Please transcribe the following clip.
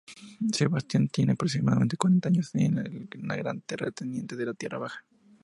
Sebastián tiene aproximadamente cuarenta años y es el gran terrateniente de la Tierra baja.